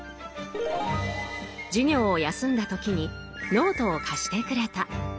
授業を休んだ時にノートを貸してくれた。